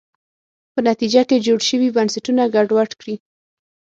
په نتیجه کې جوړ شوي بنسټونه ګډوډ کړي.